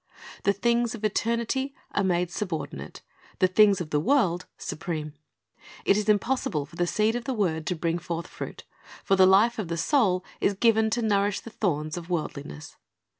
The things of eternity are made subordinate, the things of the world supreme. It is impossible for the seed of the word to bring forth fruit; for the life of the soul is given to nourish the thorns of worldliness.